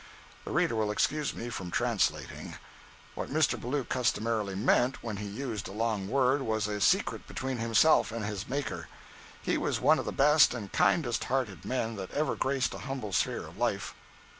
The reader will excuse me from translating. What Mr. Ballou customarily meant, when he used a long word, was a secret between himself and his Maker. He was one of the best and kindest hearted men that ever graced a humble sphere of life.